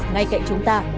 ngay cạnh chúng ta